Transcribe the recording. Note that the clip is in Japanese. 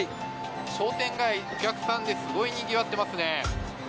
商店街、お客さんですごいにぎわってますね。